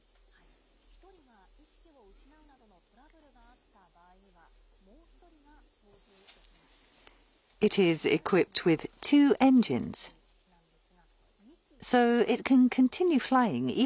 １人が意識を失うなどのトラブルがあった場合には、もう１人が操縦できます。